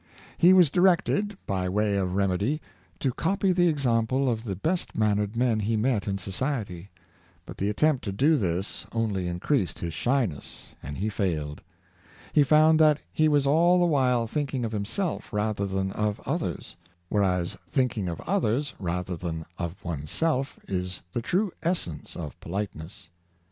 He was directed, by way of remedy, to copy the ex ample of the best mannered men he met in society; but the attempt to do this only increased his shyness, and he failed. He found that he was all the while thinking of himself, rather than of others; whereas thinking of others, rather than of one's self, is the true essence of politeness.